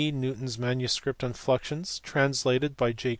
Newton s manuscript on fluxions), trans lated by J.